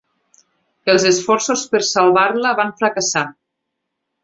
Els esforços per salvar-la van fracassar.